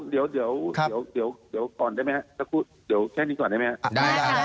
เดี๋ยวปอนท์ได้ไหมครับ